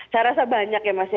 saya rasa banyak ya mas ya